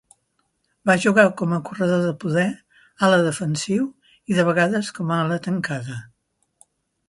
Va jugar com a corredor de poder, ala defensiu i de vegades com a ala tancada.